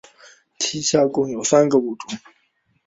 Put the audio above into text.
其下共有三个物种。